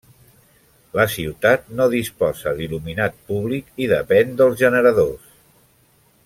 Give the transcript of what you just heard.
La ciutat no disposa d'il·luminat públic i depèn dels generadors.